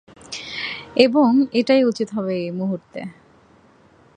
এবং এটাই উচিৎ হবে এ মুহুর্তে।